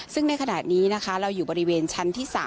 ซึ่งในขณะนี้นะคะเราอยู่บริเวณชั้นที่๓